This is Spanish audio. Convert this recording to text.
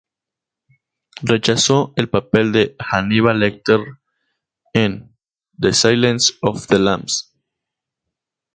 Rechazó el papel de Hannibal Lecter en "The Silence of the Lambs".